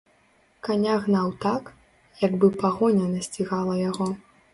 Каня гнаў так, як бы пагоня насцігала яго.